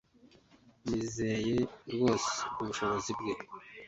Nizeye rwose ubushobozi bwe